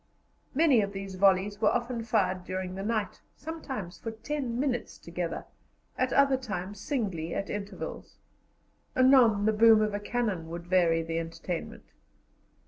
Many of these volleys were often fired during the night, sometimes for ten minutes together, at other times singly, at intervals; anon the boom of a cannon would vary the entertainment.